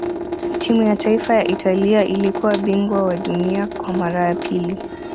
timu ya taifa ya italia ilikuwa bingwa wa dunia kwa mara ya pili